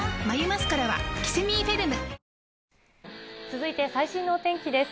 続いて最新のお天気です。